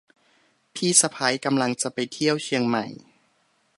พี่สะใภ้กำลังจะไปเที่ยวเชียงใหม่